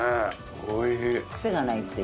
おいしい。